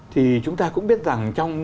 thì chúng ta cũng biết rằng trong